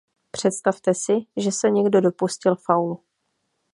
Představte si, že se někdo dopustil faulu.